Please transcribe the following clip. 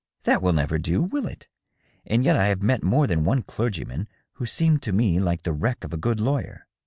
That will never do, will it? And yet I have met more than one clergy man who seemed to me like the wreck of a good lawyer."